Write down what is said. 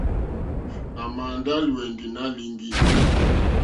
À mà ndá lùwɛ̀ndì nǎ líŋɡì.